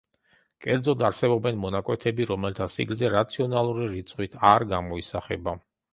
კერძოდ, არსებობენ მონაკვეთები, რომელთა სიგრძე რაციონალური რიცხვით არ გამოისახება.